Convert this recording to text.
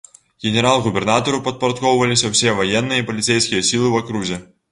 Генерал-губернатару падпарадкоўваліся ўсе ваенныя і паліцэйскія сілы ў акрузе.